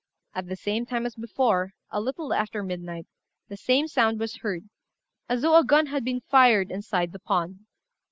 At the same time as before, a little after midnight, the same sound was heard as though a gun had been fired inside the pond.